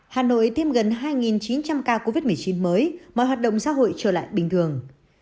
hà nội thêm gần hai chín trăm linh ca covid một mươi chín mới mọi hoạt động xã hội trở lại bình thường